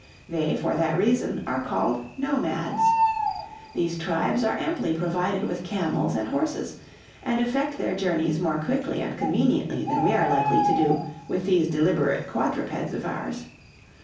They for that reason are called Nomads. "These tribes are amply provided with camels and horses, and effect their journeys more quickly and conveniently than we are likely to do with these deliberate quadrupeds of ours.